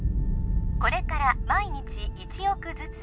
これから毎日１億ずつ